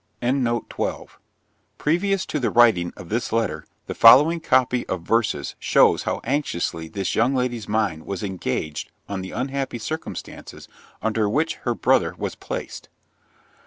Previous to the writing of this letter, the following copy of verses shows how anxiously this young lady's mind was engaged on the unhappy circumstances under which her brother was placed.